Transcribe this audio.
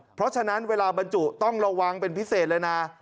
เพราะฉะนั้นเวลาบรรจุต้องระวังเป็นพิเศษเลยนะ